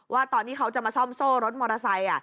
ว่าตอนที่เขาจะมาซ่อมโซ่รถมอเตอร์ไซค์